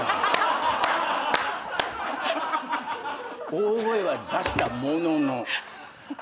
大声は出したものの。